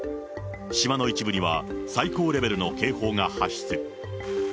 島の一部には、最高レベルの警報が発出。